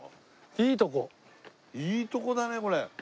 いいとこだねこれ。